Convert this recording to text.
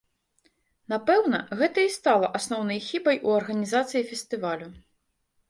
Напэўна, гэта і стала асноўнай хібай у арганізацыі фестывалю.